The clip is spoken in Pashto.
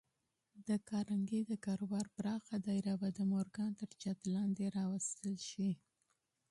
د کارنګي د کاروبار پراخه دايره به د مورګان تر چت لاندې راوستل شي.